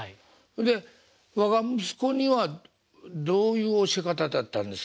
それで我が息子にはどういう教え方だったんですか？